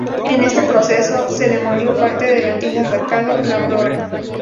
En este proceso se demolió parte del antiguo Mercado La Aurora.